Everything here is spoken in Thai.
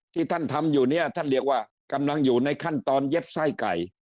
ที่ท่านทำอยู่เนี่ยท่านเรียกว่ากำลังอยู่ในขั้นตอนเย็บไส้ไก่